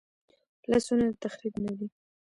لاسونه د تخریب نه دي